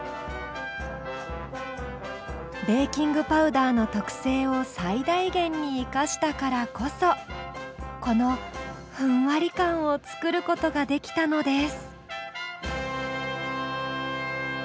ベーキングパウダーの特性を最大限に生かしたからこそこのふんわり感を作ることができたのです。